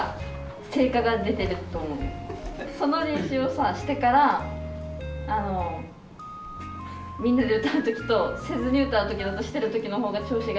その練習をさしてからみんなで歌うときとせずに歌うときだったらしてるときのほうが調子がいいから。